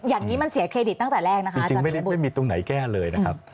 อย่างนี้มันเสียเครดิตตั้งแต่แรกนะคะจริงไม่ได้ไม่มีตรงไหนแก้เลยนะครับ